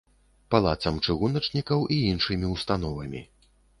Палацам чыгуначнікаў і іншымі ўстановамі.